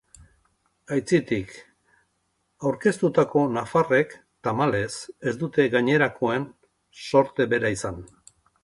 Aitzitik, aurkeztutako nafarrek, tamalez, ez dute gainerakoen zorte bera izan.